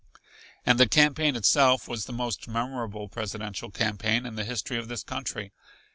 And the campaign itself was the most memorable presidential campaign in the history of this country.